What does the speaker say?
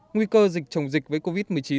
nguy cơ dịch chồng dịch với covid một mươi chín